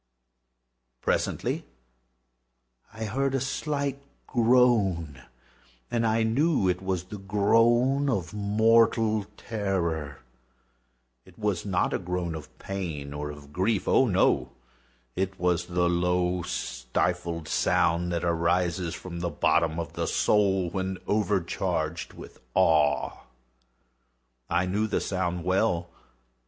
Presently I heard a slight groan, and I knew it was the groan of mortal terror. It was not a groan of pain or of grief—oh, no!—it was the low stifled sound that arises from the bottom of the soul when overcharged with awe. I knew the sound well.